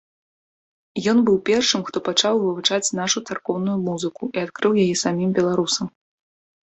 Ён быў першым, хто пачаў вывучаць нашу царкоўную музыку і адкрыў яе самім беларусам.